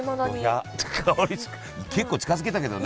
結構近づけたけどね。